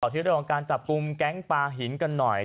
ต่อที่เราการจับกลุ่มแก๊งปลาหินกันหน่อย